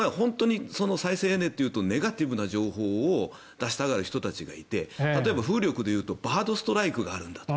再生エネっていうとネガティブな情報を出したがる人たちがいて例えば、風力で言うとバードストライクがあるんだと。